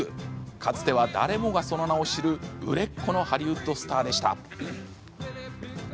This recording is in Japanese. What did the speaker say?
かつては誰もがその名を知る、売れっ子のハリウッドスターでした。